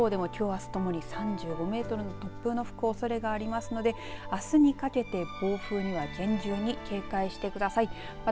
奄美地方でもきょうあすともに３５メートルの突風の吹くおそれがありますのであすにかけて暴風には厳重に警戒してください。